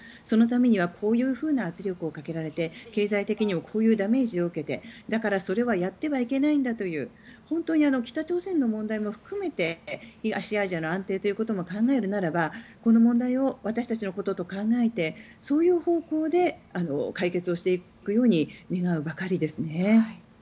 そのためにはこういうふうな圧力をかけられて経済的にもこういうダメージを受けてだからそれはやってはいけないんだという本当に北朝鮮の問題も含めて東アジアの安定ということも考えるならばこの問題を私たちのことと考えてそういう方向で解決をしていくように願うばかりですね。